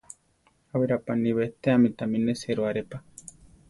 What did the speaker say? Á berá paní betéame tami nesero aré pa.